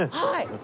はい。